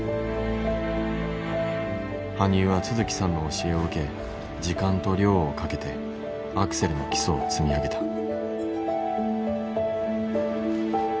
羽生は都築さんの教えを受け時間と量をかけてアクセルの基礎を積み上げた。